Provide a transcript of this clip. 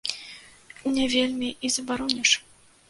Не вельмі і забароніш.